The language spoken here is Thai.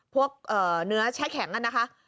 พวกเนื้อแช่แข็งนะคะ